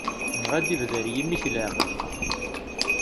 Neɣ ad d-ibder yimi-k leɛqed-iw?